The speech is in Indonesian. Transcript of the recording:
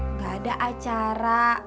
nggak ada acara